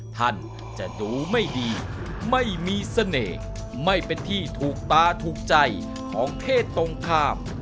ท่านจะดูไม่ดีไม่มีเสน่ห์ไม่เป็นที่ถูกตาถูกใจของเพศตรงข้าม